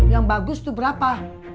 yang bagus tuh berapa